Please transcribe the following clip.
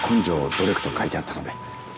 「努力！！」と書いてあったので。